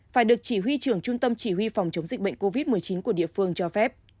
phải được chỉ huy trưởng trung tâm chỉ huy phòng chống dịch bệnh covid một mươi chín của địa phương cho phép